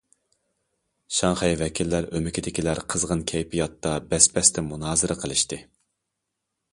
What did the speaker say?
شاڭخەي ۋەكىللەر ئۆمىكىدىكىلەر قىزغىن كەيپىياتتا، بەس- بەستە مۇنازىرە قىلىشتى.